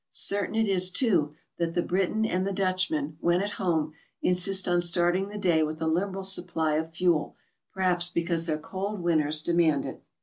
Certain it is, too, that the Briton and the Dutchman, when at home, insist on starting the day with a liberal supply of fuel, perhaps because their cold winters demand it.